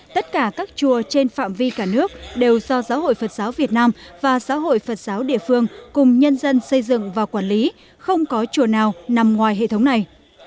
tất cả các chùa trên phạm vi cả nước đều do giáo hội phật giáo việt nam và giáo hội phật giáo địa phương cùng nhân dân xây dựng và quản lý không có chùa nào nằm ngoài hệ thống này